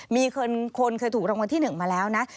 มีคนเคยถูกรางวัลที่๑มาแล้วนะ